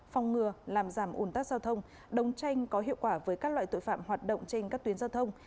phòng ngừa làm giảm ủn tắc giao thông đấu tranh có hiệu quả với các loại tội phạm hoạt động trên các tuyến giao thông